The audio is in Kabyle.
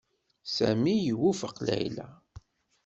Sami iwufeq Layla.